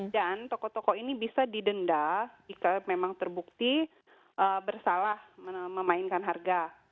dan toko toko ini bisa didenda jika memang terbukti bersalah memainkan harga